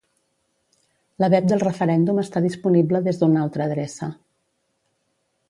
La web del referèndum està disponible des d'una altra adreça